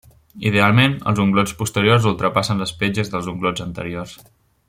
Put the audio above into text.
Idealment, els unglots posteriors ultrapassen les petges dels unglots anteriors.